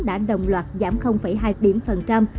đã đồng loạt giảm hai điểm phần trăm